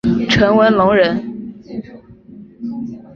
陈文龙人。